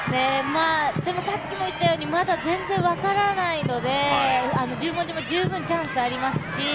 さっきも言ったようにまだ全然分からないので十文字も十分チャンスありますし